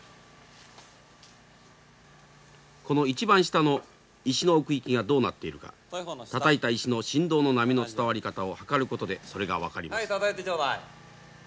この一番下の石の奥行きがどうなっているかたたいた石の振動の波の伝わり方を測ることでそれが分かります。